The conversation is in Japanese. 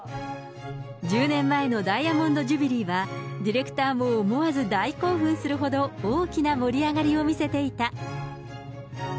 １０年前のダイヤモンドジュビリーは、ディレクターも思わず大興奮するほど、大きな盛り上がりを見せていた。